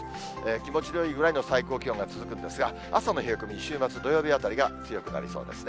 気持ちのいいぐらいの最高気温が続くんですが、朝の冷え込み、週末、土曜日あたりが強くなりそうですね。